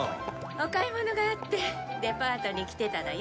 お買い物があってデパートに来てたのよ。